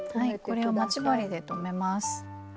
ここを待ち針で留めます。